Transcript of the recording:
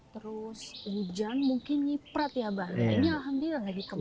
terus hujan mungkin nyiprat ya abah ini alhamdulillah gak dikemarauin